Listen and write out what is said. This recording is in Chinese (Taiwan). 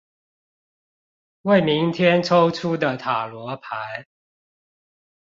為明天抽出的塔羅牌